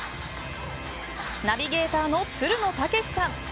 ナビゲーターのつるの剛士さん